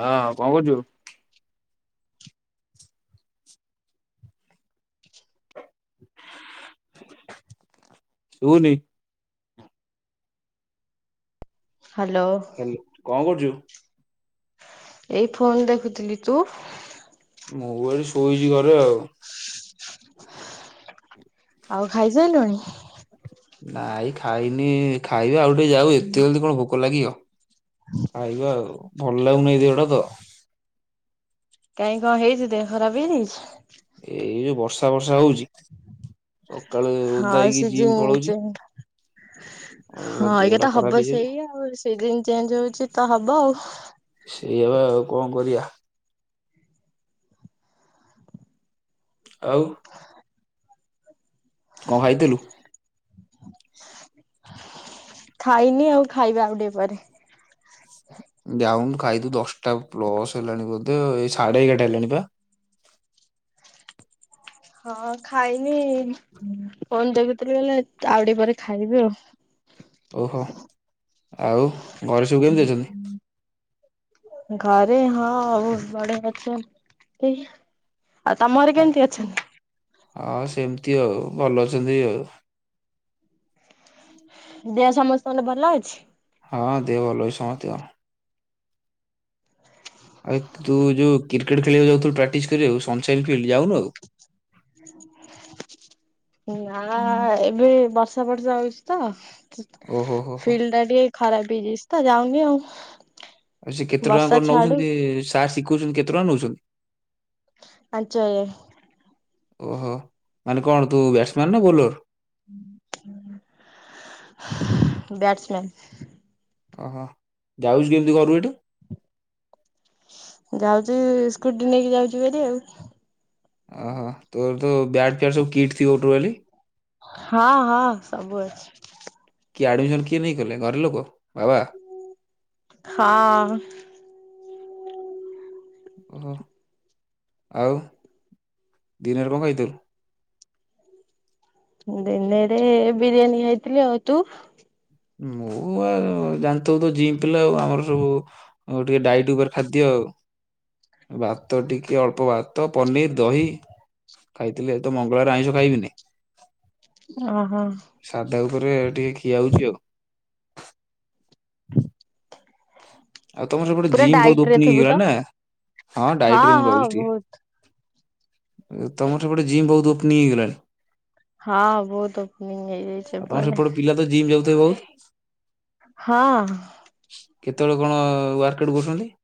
ହଁ କଣ କରୁଚୁ? [unintelligible] ଶୁବୁନିି। ହାଲୋ। ହାଲୋ କଣ କରୁଚ? ଏଇ ଫୋନ୍ ଦେଖୁଥିଲି। ତୁ? ମୁଁ ପା [unintelligible] ଶୋଇଚି ଘରେ ଆଉ। ଆଉ ଖାଇ ସାଇଲୁଣି? ନାଇଁ ଖାଇନି ଖାଇବି ଆଉ ଟିକେ ଯାଉ ଏତେ ଜଲଦି କଣ ଭୋକ ଲାଗିବ। ଖାଇବା ଆଉ ଭଲ ଲାଗୁନି ଦେହଟା ତ। କାଇଁ କଣ ହେଇଚି ଦେହ ଖରାପ ହେଇଯାଇଛି। ଏଇ ବର୍ଷା ଫର୍ଷା ହୋଉଚି। ହଁ ହେଇକି ଜିମ୍ ସିଜିନ୍ ପଳଉଛି ଚେନ୍ ହଁ ଆଉ ଏଇଟା ଦେହଟା ତ ଖରାପ ହବ ହେଇଯାଉଛି। ସେଇଆ ସିଜିନ୍ ଚେଞ୍ଜ ହୋଉଚି ତ ହବ ଆଉ। ସେଇଆବା ଆଉ କଣ କରିବା। ଆଉ କଣ ଖାଇଥିଲୁ? ଖାଇନି ଆଉ ଖାଇବା ଆଉଟିକେ ପରେ। ଯାଉନୁ ଖାଇବୁ ଦଶଟା ପ୍ଲସ ହେଲାଣି ବୋଧେ ଏଇ ସାଢେ ଏଗାରଟା ହେଲାଣି ପା। ହଁ ଖାଇନି ଫୋନ୍ ଦେଖୁଥିଲି ବୋଲେ ଆଉ ଟିକେ ପରେ ଖାଇବି ଆଉ। ଓହୋ ଆଉ ଘରେ ସବୁ କେମିତି ଅଛନ୍ତି? ଘରେ ହଁ ବୋହୁତ ବଢିଆ ଅଛ ନ୍ତି। ଆଉ ତମ ଘରେ କେମିତି ଅଛନ୍ତି? ଆଉ ସେମିତି ଆଉ ଭଲ ଅଛନ୍ତି ଆଉ। ଦେହ ସମସ୍ତଙ୍କର ଭଲ ଅଛି? ହଁ ଦେହ ଭଲ ଅଛି ସମତିଙ୍କର। ଆରେ ତୁ ଯୋଉ କ୍ରିକେଟ୍ ଖେଳିବାକୁ ଯାଉଥିଲୁ ପ୍ରାକ୍ଟିସ କରିବାକୁ ସନସାଇ ଫିଲ୍ଡ ଯାଉନୁ ଆଉ? ଏ ନା ଏବେ ବର୍ଷା ଫର୍ଷା ହଉଛି ତ ଓହୋ ହୋ ହୋ ଫିଲ୍ଡ ଟା ଟିକେ ଖରାପ ହେଇ ଯାଇଛି ତ ଯାଉନି ଆଉ। ଆଉ ସେ କେତେ ଟଙ୍କା ବର୍ଷା କଣ ଛାଡୁ ନଉଛନ୍ତି ସାର୍ ଶିଖଉଛନ୍ତି କେତେ ଟଙ୍କା ନଉଛନ୍ତି? ପାଞ୍ଚହଜାର। ଓହୋ, ମାନେ କଣ ତୁ ବ୍ୟାଟ୍ସମ୍ୟାନ୍ ନା ବୋଲର୍? ବ୍ୟାଟସମେନ୍। ଓହୋ! ଯାଉଛୁ କେମିତି ଘରୁ ଏଠୁ? ଯାଉଚି ସ୍କୁଟି ନେଇକି ଯାଉଛି ଭାରି ଆଉ। ଓହୋ, ତୋର ତ ବ୍ୟାଟ୍ ଫ୍ୟାଟ୍ ସବୁ କିଟ୍ ଥିବ ଟୋଟାଲି। ହଁ, ହଁ ସବୁ ଅଛି। କିଏ ଆଡ଼ମିସନ୍ କିଏ ନେଇ କଲେ ଘର ଲୋକ ବାବା? ହଁ। ଓହୋ, ଆଉ ଦିନରେ କଣ ଖାଇଥିଲୁ? ଦିନରେ ବିରିୟାନୀ ଖାଇଥିଲି, ଆଉ ତୁ? ମୁଁ ଆ, ଜାଣିଥିବୁ ତ ଜିମ୍ ପିଲା ଆଉ ଆମର ସବୁ ଆଉ ଟିକେ ଡାଇଟ୍ ଉପରେ ଖାଦ୍ୟ। ଭାତ ଟିକେ ଅଳ୍ପ ଭାତ ପନିର୍ ଦହି ଖାଇଥିଲି ଆଜି ତ ମଙ୍ଗଳବାର ଆଇଁଷ ଖାଇବିନି। ଓହୋ। ସାଧା ଉପରେ ଟିକେ ଖିଆ ହଉଛି ଆଉ। ଆଉ ତୋମର ସେପଟେ ପୁରା ଜିମ୍ ବହୁତ ଡାଇଟ ରେ ଓପନିଙ୍ଗ ଥିବୁ ହେଇଗଲା ତ? ନା, ହଁ ଡାଇଟ୍ ରେ ମୁଁ ହଁ ରହୁଛି ଟିକେ। ବହୁତ ଏ ତୋମର ସେପଟେ ଜିମ୍ ବହୁତୁ ଓପନିଂ ହେଇଗଲାଣି। ହଁ ବହୁତୁ ଓପନିଂ ହେଇଯାଇଛି ଆଉ ତମର ଏପଟେ। ସେପଟେ ପିଲା ତ ଜିମ୍ ଯାଉଥିବେ ବହୁତ? ହଁ। କେତେବେଳେ କଣ ୱାର୍କ ଆଉଟ କରୁଛନ୍ତି?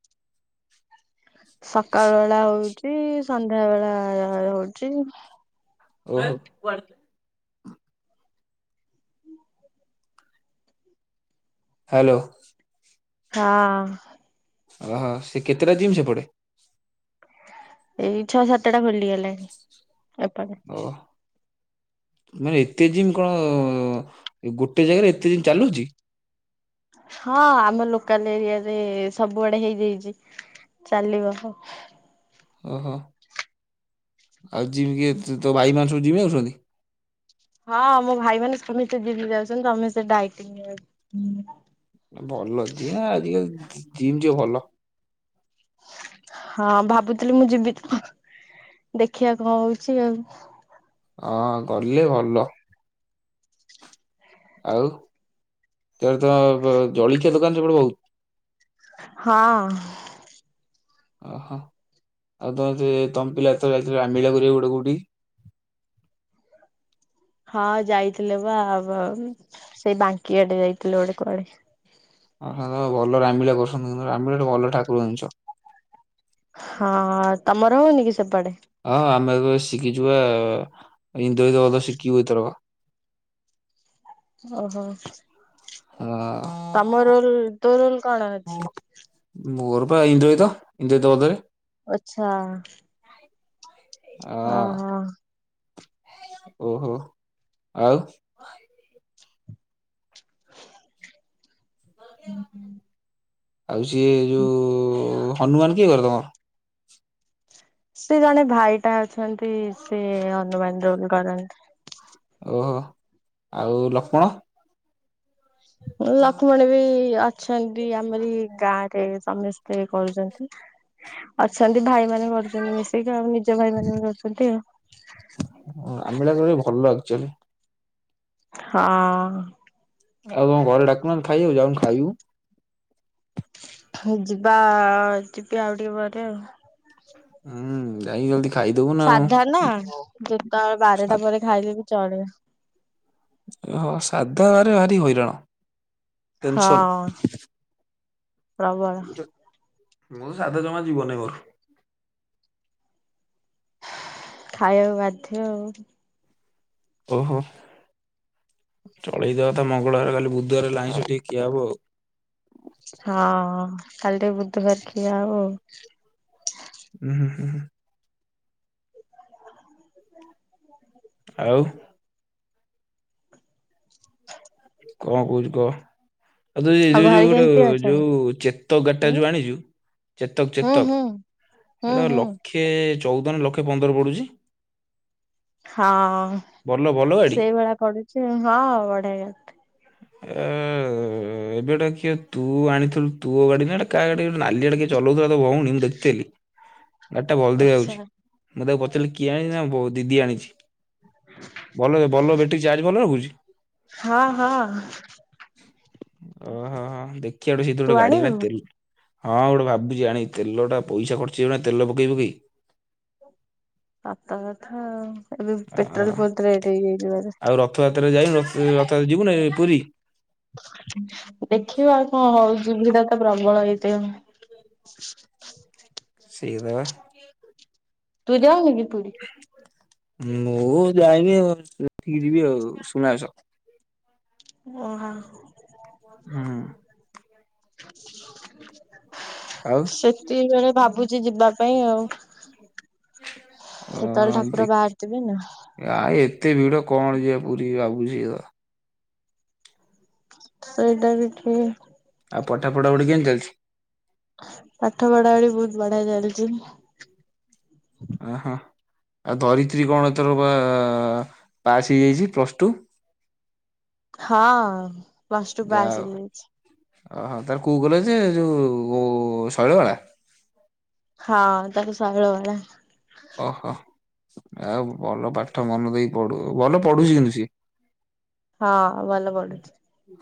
ସକାଳ ବେଳା ହଉଚି ସନ୍ଧ୍ୟା ବେଳା ହ-ହଉଚି। ଓହୋ। ହାଲୋ। ହଁ। ଓହୋ, ସେ କେତେଟା ଜିମ୍ ସେପଟେ? ଏହି ଛଅ ସାତ ଟା ଖୋଲିଗଲାଣି ଏପଟେ। ଓଃ, ମାନେ ଏତେ ଜିମ୍ କଣ ଗୋଟେ ଜାଗାରେ ଏତେ ଜିମ୍ ଚାଲୁଛି? ହଁ ଆମ ଲୋକାଲ ଏରିଆ ରେ ସବୁଆଡେ ହେଇଯାଇଚି। ଚାଲିବ ହଁ। ଓହୋ, ଆଉ ଜିମ୍ କି ତୋ ଭାଇ ମାନେ ସବୁ ଜିମ୍ ଯାଉଛନ୍ତି? ହଁ ମୋ ଭାଇ ମାନେ ସମସ୍ତେ ଜିମ୍ ଯାଉଛନ୍ତି, ସମସ୍ତେ ଡାଇଟିଙ୍ଗ ରେ ଅଛନ୍ତି। ଭଲ ଯିଏ ଆଜିକାଲି ଜି-ଜିମ୍ ଯିବା ଭଲ। ହଁ ଭାବୁଥିଲି ମୁଁ ଯିବି ତ ଦେଖିବା କଣ ହଉଛି ଆଉ। ହଁ ଗଲେ ଭଲ। ଆଉ ତୋର ତ ଆଉ [unintelligible] ଜଳଖିଆ ଦୋକାନ ସେପଟେ ବହୁତ। ହଁ। ଓହୋ। ଆଉ ତମେ ସେ ତମ୍ପିଲାତ ଯାଇଥିଲ ଆମ୍ବିଳା [unintelligible] ଗୋଟେ କୋଉଠି? ହଁ ଯାଇଥିଲେ ବା ଅବ ସେଇ ବାଙ୍କିଆଡେ ଯାଇଥିଲେ ଗୋଟେ କୁଆଡେ। ଅହ ତମେ ଭଲ ରାମିଳ କରୁଛ [unintelligible] ରାମିଳ [unintelligible] ଭଲ ଠାକୁର ଜିନିଷ। ହଁ ତମର ହଉନି କି ସେପଟେ? ହଁ ଆମେ ତ ଶିଖିଛୁ ପା [unintelligible] ଶିଖିବୁ ଏଇଥରକ। ଓହୋ ହଁ ତମ ରୋଲ ତୋ ରୋଲ କଣ ଅଛି? ମୋର ପା ଇନ୍ଦ୍ରଜିତ ଇନ୍ଦ୍ରଜିତ ବୋଧେ। ଓ ଆଚ୍ଛା। ଅ। ଓହୋ ଆଉ। ହ ହୁଁ ହୁଁ। ଆଉ ସିଏ ଯୋଉ ହନୁମାନ କିଏ କରେ ତମର? ସେ ଜଣେ ଭାଇଟା ଅଛନ୍ତି ସେ ହନୁମାନ ରୋଲ କରନ୍ତି। ଓହୋ ଆଉ ଲକ୍ଷ୍ମଣ। ଉଁ ଲକ୍ଷ୍ମଣ ବି ଅଛନ୍ତି ଆମରି ଗାଁ ରେ। ସମସ୍ତେ କରୁଛନ୍ତି ଅଛନ୍ତି ଭାଇମାନେ କରୁଛନ୍ତି ମି ଏଇ ତ ଆଉ ନିଜ ଭାଇ ମାନେ ବି କରୁଛନ୍ତି। ଆମିଳା ଭଲ ଚକୁଳି ଭଲ ଆକ୍ଚୁଲି। ହଁ। ଆଉ ତମ ଘରେ ଡାକୁନାହାନ୍ତି ଖାଇବାକୁ ଯାଉନୁ ଖାଇବୁ? ଯିବା ଯିବି ଆଉ ଟିକେ ପରେ ଆଉ। ହୁଁ ଯାଇକି ଜଲଦି ଖାଇଦବୁ ନା ଆଉ। ସାଧା ନା ଯେତବେଳେ ବାରଟା ପରେ ଖାଇଲେ ବି ଚଳିବ। ହଁ ସାଧା ବାରେ ଭାରି ହଇରାଣ। ହଁ ଟେନସନ। ପ୍ରବଳ। ମୁଁ ସାଧା ଜମା ଯିବନି ମୋର। ଖାଇବାକୁ ବାଧ୍ୟ ଆଉ। ଓହୋ ଚଳେଇଦବା ତ ମଙ୍ଗଳବାର କାଲି ବୁଧବାର ହେଲେ ଆଇଁଷ ଟିକେ ଖୀଆ ହବ ଆଉ। ହଁ କାଲି ଟି ବୁଧବାର ଖିଆହବ। ଉଁ ହୁଁ ହୁଁ ହୁଁ। ଆଉ। କଣ କହୁଛୁ କହ? ଆଉ ତୁ ଏଇ ଯୋଉ ଯୋଉ ଘରେ ଗୋଟେ କେମିତି ଅଛନ୍ତି? ଯୋଉ ଚେତକ ହୁଁ ଗାଡିଟା ଯୋଉ ଆଣିଛୁ। ଚେତକ୍ ହୁଁ ହୁଁ ଚେତକ୍। ହୁଁ ହୁଁ। ଖେ ଚଉଦ ନା ଲକ୍ଷେ ପନ୍ଦର ପଡ଼ୁଛି। ହଁ ଭଲ ଭଲ ଗାଡି। ସେଇଭଳିଆ ପଢୁଛି ହଁ ପଢେଇବ। ଏ ଏବେ ଟା କିଏ ତୁ ଆଣିଥିଲୁ ତୋ ଗାଡି ନା ଏଟା କାହା ଗାଡି? ନାଲିଆଟା କିଏ ଚଲଉଥିଲା ତୋ ଭଉଣୀ ମୁଁ ଦେଖିଥିଲି। ଗାଡିଟା ଭଲ ଆଚ୍ଛା। ଦେଖାଯାଉଛି ମୁଁ ତାକୁ ପଚାରିଲି କିଏ ଆଣିଛି ନା ବୋ ଦିଦି ଆଣିଛି। ଭଲ ଭଲ ବେଟରି ଚାର୍ଜ ଭଲ ରଖୁଛି। ହଁ ହଁ। ଓହୋ ହୋ ଦେଖିବା ଗୋଟେ ସେଇଥିରୁ ତୁ ଗୋଟେ ଗାଡି ନା ଆଣିବୁ? ତେଲ ହଁ ଗୋଟେ ଭାବୁଛି ଆଣି ତେଲଟା ପୋଇସା ଖର୍ଚ ହେବ ନାଣି ତେଲ ପକେଇ-ପକେଇ। ଆତ କଥା ଆଉ। ଏବେ ଆ ପେଟ୍ରୋଲ ବହୁତ୍ ରେଟ ହେଇଯାଇଥିବ ଆଉ ରଥଯାତ୍ରାରେ ଯାଇନୁ ରଥ ରଥଯାତ୍ରା ଯିବୁ ନା ଏ ବୋଧେ? ପୁରୀ? ଦେଖିବା କଣ ହଉଛି ତାର ତ ପ୍ରବଳ ହେଇଥ, ସେଇକଥାବା, ତୁ ଯାଉ କି ପୁରୀ? ମୁଁ ଯାଇନି ଆଉ ସେଠିକି ଯିବି ଆଉ ସୁନାବେଶ। ଓ ହଁ, ହୁଁ, [unintelligible] ଆଉ, ସେତିକି ବେଳେ ଭାବୁଛି ଯିବା, ପାଇଁ ଆଉ ଅ ସେତେବେଳ ଦେ ଠାକୁର ବାହାରିଥିବେ ନା, ଆ ଏତେ ଭିଡ଼ କଣ ଯିବା ପୁରୀ ଭାବୁଛି ଅ, ସେଇଟା ବି ଠିକ୍, ଆଉ ପଠା ପଢ଼ ଗୋଟେ କେମିତି ଚାଲିଛି? ପାଠ ପଢ଼ା ପଢ଼ି ବହୁତ୍ ବଢ଼ିଆ ଚାଲିଛି। ହଁ-ହଁ, ଆଉ ଧରିତ୍ରୀ କଣ ଏଥର ବା ପାସ୍ ହେଇଯାଇଛି ପ୍ଲସ୍ ଟୁ? ହଁ ପ୍ଲସ୍ ଟୁ ପାସ୍ ହେଇଯାଇଛି। ଅ ହଁ ତାର କଉ କଲେଜ ଯେ ଯେଉଁ ଉଁ ଶୈଳବାଳା? ହଁ ତାକୁ ଶୈଳବାଳା, ଅ ହଁ ଆଉ ଭଲ ପାଠ ମନ ଦେଇ ପଢ଼ୁ ଭଲ ପଢ଼ୁଛି କିନ୍ତୁ ସିଏ, [inaudible] ହଁ ଭଲ ପଢୁଛି।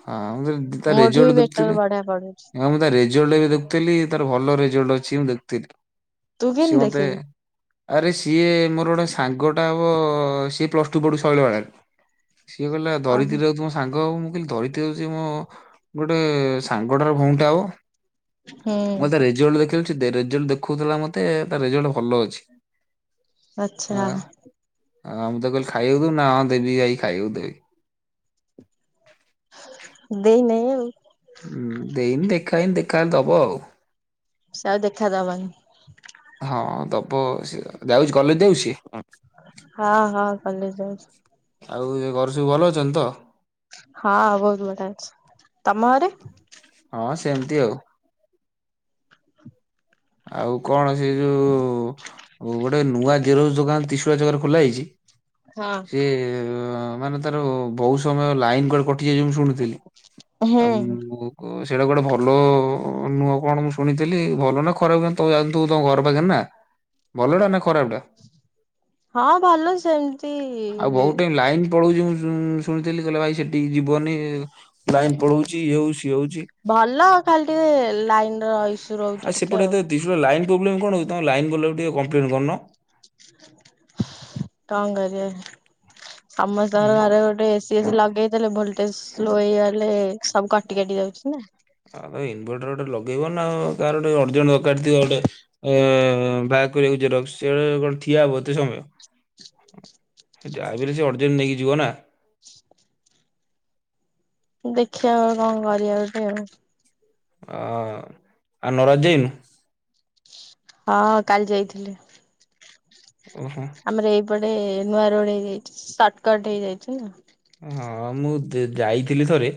ହଁ ମୁଁ କହିଲି ତା ମୋଠୁ ବି ରେଜଲଟ୍ ବେଟର ଦେଖୁଥିଲି, ବଢିଆ ପଢୁଛି ହଁ ମୁଁ ତା ରେଜଲ୍ଟ ଏବେ ଦେଖୁଥିଲି ତାର ଭଲ ରେଜଲ୍ଟ ଅଛି ମୁଁ ଦେଖୁଥିଲି, ତୁ ସିଏ କେନ୍ତି ମତେ ଦେଖିଲୁ? ଆରେ ସିଏ ମୋର ଗୋଟେ ସାଙ୍ଗଟା ହବ ସିଏ ପ୍ଲସ୍ ଟୁ ପଢ଼ୁଛି ଶୈଳବାଳାରେ, ସିଏ କହିଲା ଓହୋ ଧରିତ୍ରୀ ରାଉତ ତୁମ ସାଙ୍ଗ ହବ ମୁଁ କହିଲି ଧରିି କେଉଛି ମୋ ଗୋଟେ ସାଙ୍ଗଟାର ଭଉଣୀଟା ହବ ହୁଁ ମତେ ରେ ଜଲ୍ଟ ଦେଖଉଛି ଦେ ରେଜଲ୍ଟ ଦେଖଉଥିଲା ମତେ ତା ରେଜଲ୍ଟ ଭଲ ଅଛି। ଆଚ୍ଛା, ହଁ ମୁଁ ତାକୁ କହିଲି ଖାଇବାକୁ ଦବୁ ନାଁ ଦେବି ଆଇ ଖାଇବାକୁ ଦେବୁ ଦେ, ଦେଇନାଇ ଆଉ, ହୁଁ ଦେଇନି ଦେଖା ହେଇନି ଦେଖା ହେଲେ ଦବ ଆଉ, ସେ ଆଉ ଦେଖାଦବନି, ହଁ ଦବ ସେ ଯାଉଛି କଲେଜ୍ ଯାଉଛି ସେଏ ଅଁ? ହଁ-ହଁ କଲେଜ ଯାଉଛି। ଆଉ ଏ ଘରେ ସବୁ ଭଲ ଅଛନ୍ତି ତ? ହଁ ବହୁତ୍ ବଢ଼ିଆ ଅଛି ତମ ଘରେ? ହଁ ସେମିତି ଆଉ, ଆଉ କଣ ସେ ଯୋଉ, ହଉ ଗୋଟେ ନୂଆ ଜେରୋକ୍ସ୍ ଦୋକାନ୍ ତ୍ରିଶ୍ୟାରି ଜାଗାରେ ଖୋଲା ହେଇଛି? ହଁ। ସିଏ ଆ ମାନେ ତାର ବହୁ ସମୟ ଲାଇନ୍ କୁଆଡ଼େ କଟିଯାଇଛି ମୁଁ ଶୁଣୁଥିଲି, ହୁଁ ଆଉ ମୁଁ ସେଇଟା ଗୋଟେ ଭଲ ନୁହଁ କଣ ମୁଁ ଶୁଣିଥିଲି ଭଲ ନା ଖରାପ କଣ ତୁ ଜାଣିଥିବୁ ତମ ଘର ପାଖରେ ନା ଭଲ ଟା ନା ଖରାପ ଟା। ହଁ, ଭଲ ସେମ ଆଉ ବହୁତ ଟାଇମ୍ ଲାଇନ୍। ପଳଉଛି ମୁଁ ଶୁ ଶୁଣିଥିଲି, କହିଲେ ଭାଇ ସେଠିକି ଯିବନି ଲାଇନ୍ ପଳଉଛି ଇଏ ହଉଚି ସିଏ ହଉଛି। ଭଲ ଖାଲି ଟିକେ ଲାଇନ ର ଇସ୍ ଆଉ ସେପଟେ ଏତେ ଦି ଯୁଆ ଲାଇନ୍ ପ୍ରୋବଲେମ୍ କଣ ହଉଛି ତୁମେ ଲାଇନ ବାଲା କୁ ଟିକେ କମ୍ପ୍ଲେନ୍ କରୁନ। କଁ କରିବେ ହୁଁ। ସମସ୍ତଙ୍କର ଘରେ ଗୋଟେ ଏସ୍ ସିଏ ଲଗେଇ ଦେଲେ ଭୋଲଟେଜ ସ୍ଲୋ ହେଇଗଲେ ସବୁ କଟି କାଟି ଯାଉଛି ନା। ଆଉ ତମେ ଇନଭର୍ଟର ଗୋଟେ ଲଗେଇ ବନା ଆଉ କାର ଗୋଟେ ଅରଜେଣ୍ଟ ଦକାର ଥିବ ଗୋଟେ। ଏ ବାହାର କରିବାକୁ ଜେରକ୍ସ ସିଏ କଣ ଠିଆ ହବ ଏତେ ସମୟ? ହୁଁ ସେ ଯା ବି ହେଲେ ସେ ଅର୍ଜେଣ୍ଟ ନେଇକି ଯିବ ନା। ଦେଖିବା ଆଉ କଁ କରିବା ଗୋଟେ ଆଉ। ଆ ଆଉ ନରାଜ ଯାଇନୁ। ହଁ, କାଲି ଯାଇଥିଲି। ଓହୋ। ଆମର ଏଇପଟେ ନୂଆ ରୋଡ ହେଇଯାଇଛି। ସର୍ଟକଟ୍ ହେଇଯାଇଛି ନା। ଉଁ ହଁ, ମୁଁ ଯାଇଥିଲି ଥରେ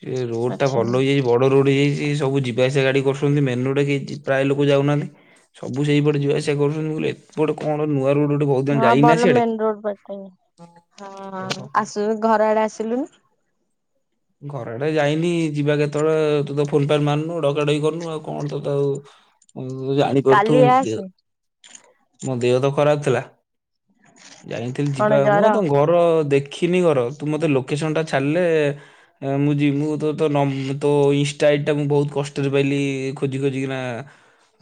ସେ ରୋଡ ଟା ଆଚ୍ଛା ଭଲ ହେଇଯାଇଛି ବଡ ବଡ଼ ରୋଡ ହେଇ ଯାଇଛି ସବୁ ଯିବା ଆସିବା ଗାଡ଼ି କରୁଛନ୍ତି। ମେନ୍ ରୋଡ କେହି ଯି ପ୍ରାୟ ଲୋକ ଯାଉନାହାନ୍ତି। ସବୁ ସେଇପଟେ ଯିବା ଆସିବା କରୁଛନ୍ତି ବୋଇଲେ। ଏଠି ଗୋଟେ କଣ ନୂଆ ରୋଡ ଗୋଟେ ବହୁତ ଦିନ ହଁ ଯାଇନା ଭଲ ସିଆଡେ ମେନ ରୋଡ ବାଟେ। ଓ ହଁ ହୋ ହୋ। ଆସୁ ଘର ଆଡ଼େ ଆସିଲୁନି। ଘର ଆଡେ ଯାଇନି। ଯିବା କେତେବେଳେ ତୁ ତ ଫୁନ୍ ଫାନ୍ ମାରନୁ ଡକା ଡକି କରୁନୁ ଆଉ କଣ ତୁ ତ ଆଉ ଉଁ ଜାଣି ପାରୁଥୁବୁ କାଲି ଦେ ମୋ ଦେହ ଆସେ ମୋ ଦେହ ତ ଖରାପ ଥିଲା। ଯାଇ ନଥିଲି, ଯିବା କଣ ଆଉ ମୁଁ ବା ଜର? ତମ ଘର। ତୋର ଦେଖିନି ଘର। ତୁ ମତେ ଲୋକେସନ୍ ଟା ଛାଡ଼ିଲେ। ଏଁ ମୁଁ ଯିବ ମୁଁ ତ ତୋ ନମ୍ବ ତୋ ଇନଷ୍ଟା ଆଇଡି ଟା ମୁଁ ବହୁତ କଷ୍ଟରେ ପାଇଲି ଖୋଜି ଖୋଜିି କିନା।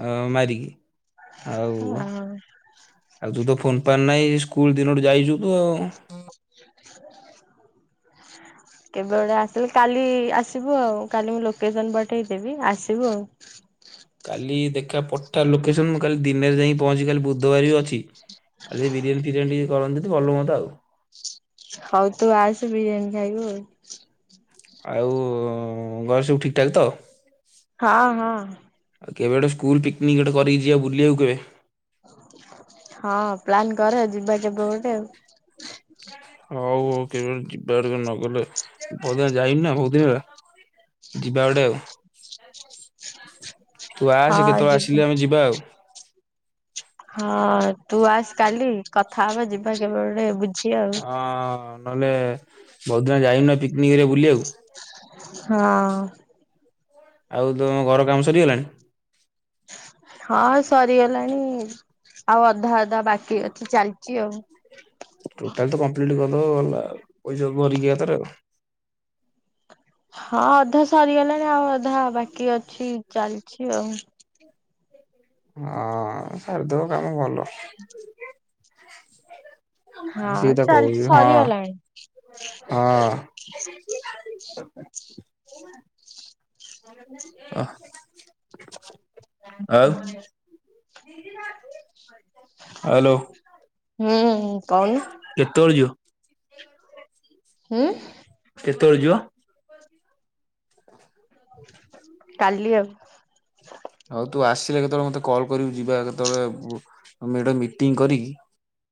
ଆଉ ମାରିକି। ଆଉ ଆଉ ତୁ ତ ଫୋନ ଫାନ ନାହିଁ। ସ୍କୁଲ ଦିନଠୁ ଯାଇଛୁ ତୁ ଆଉ। [inaudible] କେବେ ଗୋଟେ ଆସିଲେ କାଲି ଆସିବୁ ଆଉ। କାଲି ମୁଁ ଲୋକେସନ ପଠେଇଦେବି ଆସିବୁ ଆଉ। କାଲି ଦେଖିବା ପଠା ଲୋକେସନ୍। ମୁଁ କାଲି ଦିନରେ ଯାଇଁକି ପହଞ୍ଚିବି କାଲି ବୁଧବାର ବି ଅଛି। କାଲି ଯଦି ବିରିୟାନୀ ଫିରିୟାନୀ ଟିକେ କରନ୍ତୁ ଯଦି ଭଲ ହୁଅନ୍ତା ଆଉ। ହଉ ତୁ ଆସେ ବିରିୟାନୀ ଖାଇବୁ ଆଉ। ଆଉ ଉଁ ଘରେ ସବୁ ଠିକ୍ ଠାକ୍ ତ? ହଁ, ହଁ। ଆଉ କେବେ ଗୋଟ ସ୍କୁଲ ପିକନିକ୍ ଗୋଟେ କରକି ଯିବା ବୁଲିବାକୁ କେବେ? ହଁ, ପ୍ଲାନ୍ କରେ ଆଉ ଯିବା କେବେ ଗୋଟେ ଆଉ। ହଉ ହଉ କେବେ ଗୋଟେ ଯିବା ଟିକେ ନଗଲେ ବହୁତ ଦିନିଆ ହେଲା ଯାଇ ନି ନା ବହୁତ ଦିନି ହେଲା। ଯିବା ଗୋଟେ ଆଉ। [inaudible] ତୁ ଆସ ହଁ କେତେବେଳେ ଯିବୁ। ଆସିଲେ ଆମେ ଯିବା ଆଉ। ହଁ, ତୁ ଆସେ କାଲି କଥା ହବା ଯିବା କେବେ ଗୋଟେ। ବୁଝି ଆଉ। ହଁ, ନହେଲେ ବହୁତ ଦିନ ହେଲା ଯାଇନି ନା ପିକନିକ କରିବାକୁ ବୁଲିବାକୁ। ହଁ। ଆଉ ତୁମ ଘର କାମ ସରିଗଲାଣି। ହଁ ସରିଗଲାଣି ଆଉ ଅଧା ଅଧା ବାକି ଅଛି ଚାଲିଛି ଆଉ। ଟୋଟାଲ ତ କମ୍ପ୍ଲିଟ କରିଦବ ଗଲା ପଇସା ଭରିକି ଏଥିରେ। ହଁ ଅଧା ସରିଗଲାଣି ଆଉ ଅଧା ବାକି ଅଛି ଚାଲିଚି ଆଉ। ହଁ ସରିଦିବ କାମ ଭଲ। ସେଏ ହଁ ତ ଚାଲିଛି କହୁଚି ହଁ ସରିଗଲାଣି। ହଁ। ଅ ଆଉ। ହାଲୋ। ହୁଁ କହୁନୁ। କେତୋଳେ ଯିବ? ହୁଁ। କେତୋଳେ ଯିବ? କାଲି ଆଉ। ହଉ ତୁ ଆସିଲେ କେତେବେଳେ ମତେ କଲ୍ କରିବୁ ଯିବା କେତେବେଳେଟ ମିଟିଂ କରିକି